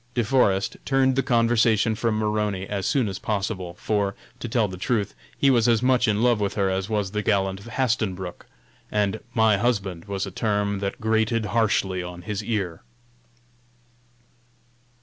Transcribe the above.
De Forest turned the conversation from Maroney as soon as possible, for, to tell the truth, he was as much in love with her as was the gallant Hastenbrook, and "my husband" was a term that grated harshly on his ear.